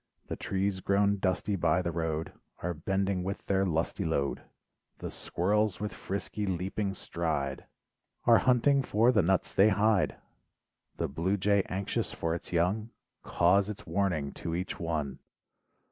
The trees grown dusty by the road, Are bending with their lusty load. The squirrels with frisky leaping stride, 38 LIFE WAVES Are hunting for the nuts they hide. The blue jay anxious for its young, Caws its warning to each one.